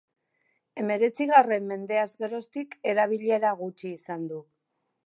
Hemeretzigarren mendeaz geroztik erabilera gutxi izan du.